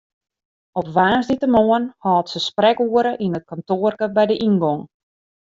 Op woansdeitemoarn hâldt se sprekoere yn it kantoarke by de yngong.